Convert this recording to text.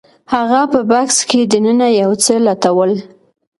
هغه په بکس کې دننه یو څه لټول